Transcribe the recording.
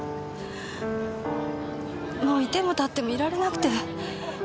もう居ても立ってもいられなくて。